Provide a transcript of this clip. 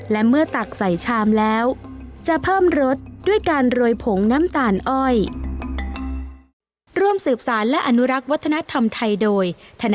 และเมื่อตักใส่ชามแล้วจะเพิ่มรสด้วยการโรยผงน้ำตาลอ้อย